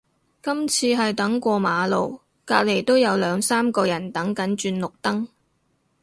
今次係等過馬路，隔離都有兩三個人等緊轉綠燈